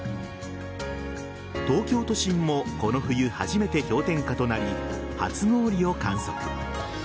東京都心もこの冬、初めて氷点下となり初氷を観測。